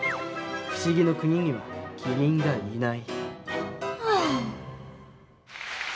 不思議の国にはキリンがいない。